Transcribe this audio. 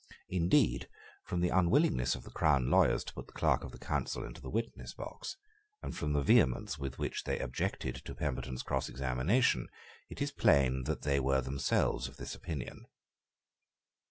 Indeed, from the unwillingness of the crown lawyers to put the Clerk of the Council into the witness box, and from the vehemence with which they objected to Pemberton's cross examination, it is plain that they were themselves of this opinion.